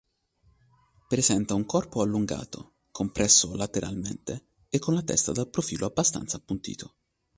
Presenta un corpo allungato, compresso lateralmente e con la testa dal profilo abbastanza appuntito.